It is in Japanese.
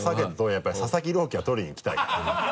やっぱ佐々木朗希は取りに行きたいから。